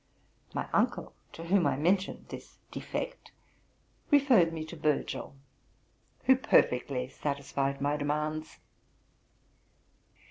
My uncle, to whom I mentioned this defect, referred me to Virgil, who perfectly satisfied my demands.